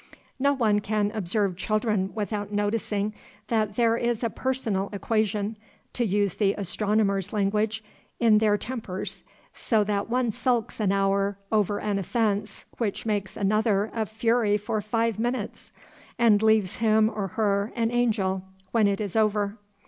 No one can observe children without noticing that there is a personal equation, to use the astronomer's language, in their tempers, so that one sulks an hour over an offence which makes another a fury for five minutes, and leaves him or her an angel when it is over.